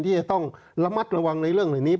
ที่จะต้องระมัดระวังในเรื่องเหล่านี้